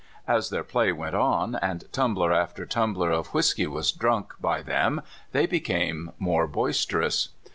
As their play went on, and tumbler after tumbler of whisky was drunk by them, they became more boisterous.